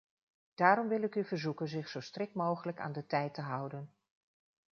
Daarom wil ik u verzoeken zich zo strikt mogelijk aan de tijd te houden.